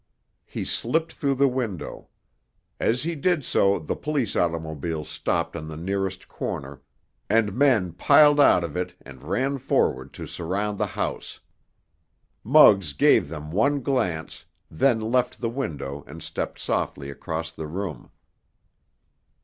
He slipped through the window. As he did so the police automobile stopped on the nearest corner, and men piled out of it and ran forward to surround the house. Muggs gave them one glance, then left the window and stepped softly across the room.